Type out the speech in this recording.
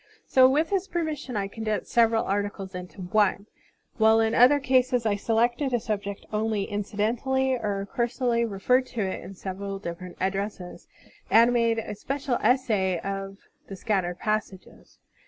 So with his permission I con densed several articles into one, while in other cases I selected a subject only incidentally or cursorily referred to in several different addresses, and made a special essay of the scattered passages.